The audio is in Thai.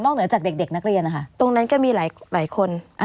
เหนือจากเด็กนักเรียนนะคะตรงนั้นก็มีหลายคน